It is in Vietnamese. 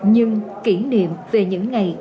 nhưng kỷ niệm về những ngày